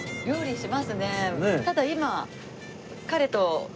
ただ今。